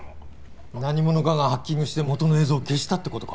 何者かがハッキングして元の映像を消したってことか？